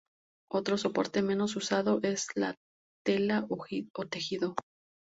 Otro soporte menos usado es la tela o tejido.